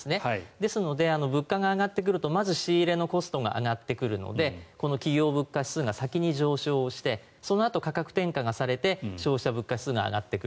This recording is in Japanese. ですので、物価が上がってくるとまず仕入れのコストが上がってくるのでこの企業物価指数が先に上昇をしてそのあと価格転嫁がされて消費者物価指数が上がってくる。